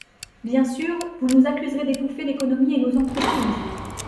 Bien sûr, vous nous accuserez d’étouffer l’économie et nos entreprises.